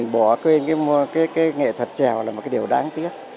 bỏ quên cái nghệ thuật trèo là một cái điều đáng tiếc